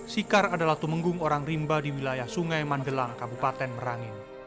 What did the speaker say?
sikar adalah tumenggung orang rimba di wilayah sungai mandelang kabupaten merangin